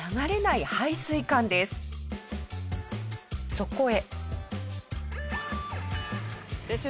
そこへ。